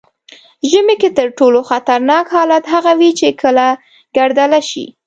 ژمي کې تر ټولو خطرناک حالت هغه وي چې کله ګردله شي.